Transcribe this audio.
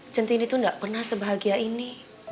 centini tuh gak pernah sebahagia ini